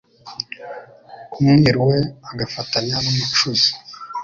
Umwiru we agafatanya n'umucuzi :